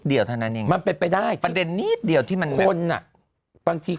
เดียวเท่านั้นนี้มันเป็นได้แต่นี้เดียวที่มันบางที